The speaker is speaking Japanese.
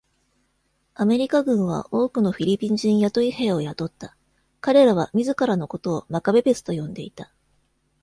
アメリカ軍は多くのフィリピン人雇い兵を雇った。彼らは自らのことを「マカベベス」と呼んでいた。